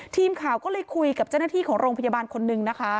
ทีมข่าวก็เลยคุยกับเจ้าหน้าที่ของโรงพยาบาลคนนึงนะคะ